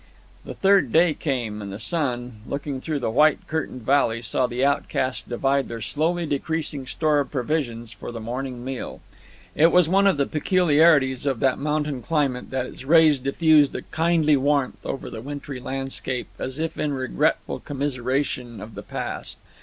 The third day came, and the sun, looking through the white curtained valley, saw the outcasts divide their slowly decreasing store of provisions for the morning meal. It was one of the peculiarities of that mountain climate that its rays diffused a kindly warmth over the wintry landscape, as if in regretful commiseration of the past.